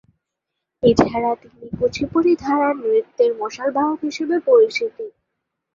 এছাড়া তিনি কুচিপুড়ি ধারার নৃত্যের 'মশাল বাহক' হিসেবে পরিচিত।